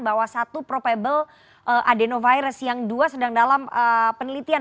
bahwa satu probable adenovirus yang dua sedang dalam penelitian